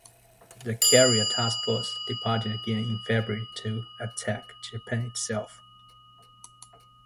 The carrier task force departed again in February to attack Japan itself.